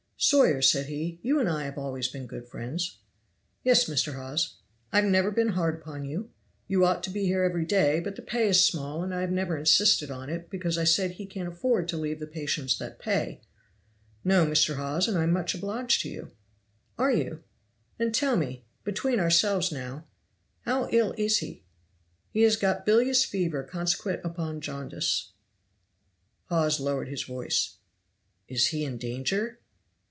"Sawyer," said he, "you and I have always been good friends." "Yes, Mr. Hawes." "I have never been hard upon you. You ought to be here every day, but the pay is small and I have never insisted on it, because I said he can't afford to leave patients that pay." "No, Mr. Hawes, and I am much obliged to you." "Are you? Then tell me between ourselves now how ill is he?" "He has got bilious fever consequent upon jaundice." Hawes lowered his voice. "Is he in danger?"